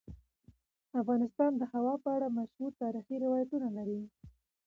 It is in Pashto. افغانستان د هوا په اړه مشهور تاریخی روایتونه لري.